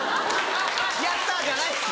「やった」じゃないです。